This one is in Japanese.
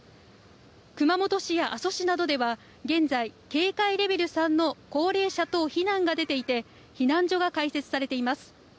熊本市や阿蘇市などでは、現在、警戒レベル３の高齢者等避難が出ていて、避難所が開設されています。